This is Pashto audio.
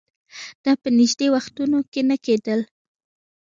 دا په نژدې وختونو کې نه کېدل